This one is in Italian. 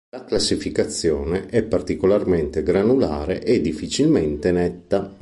La classificazione è particolarmente granulare e difficilmente netta.